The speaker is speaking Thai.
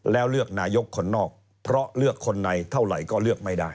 แล้วเลือกนายกคนนอกเพราะเลือกคนในเท่าไหร่ก็เลือกไม่ได้